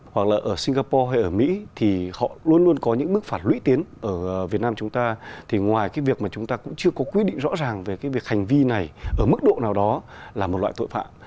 hoặc là ở singapore hay ở mỹ thì họ luôn luôn có những bức phạt lũy tiến ở việt nam chúng ta thì ngoài cái việc mà chúng ta cũng chưa có quy định rõ ràng về cái việc hành vi này ở mức độ nào đó là một loại tội phạm